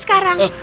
apa yang terjadi